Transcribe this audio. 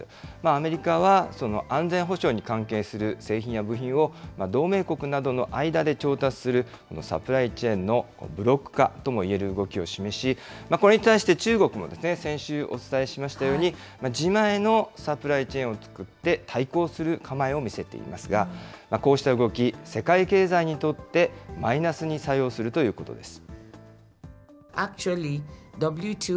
アメリカは安全保障に関係する製品や部品を、同盟国などの間で調達するサプライチェーンのブロック化ともいえる動きを示し、これに対して中国も、先週お伝えしましたように、自前のサプライチェーンを作って、対抗する構えを見せていますが、こうした動き、世界経済にとってマイナスに作用するということです。